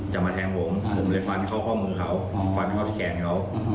จะมาแทงผมผมเลยฟันเข้าข้อมือเขาฟันเข้าที่แขนเขา